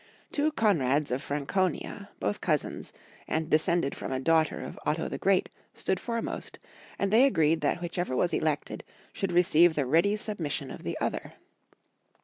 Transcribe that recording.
Two Konrads of Franconia, both cousins, and descended from a daughter of Otto the Great, stood foremost, and they agreed that whichever was elected should receive the ready submission of the other.